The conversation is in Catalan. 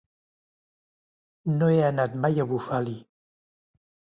No he anat mai a Bufali.